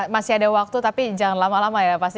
masih ada waktu tapi jangan lama lama ya pasti